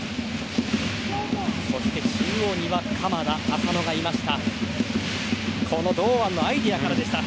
そして中央には鎌田、浅野がいました。